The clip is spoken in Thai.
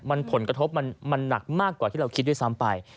มันผลกระทบมันหนักมากกว่าที่เราคิดด้วยซ้ำไป